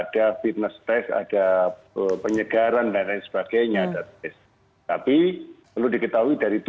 dari tujuh puluh dua pertandingan tujuh puluh dua dan empat puluh dua liga dua